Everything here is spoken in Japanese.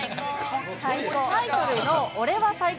タイトルの俺は最高！